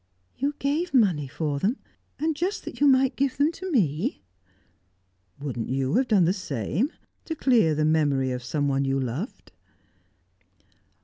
"You gave money for them? And just that you might give them to me?" "Wouldn't you have done the same, to clear the memory of someone you loved?"